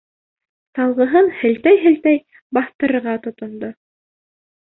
Салғыһын һелтәй-һелтәй баҫтырырға тотондо.